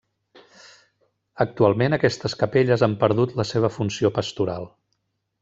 Actualment, aquestes capelles han perdut la seva funció pastoral.